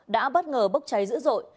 đã bất ngờ bốc cháy dữ dội